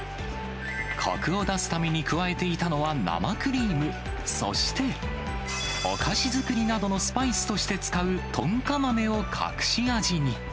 こくを出すために加えていたのは生クリーム、そして、お菓子作りなどのスパイスとして使うトンカ豆を隠し味に。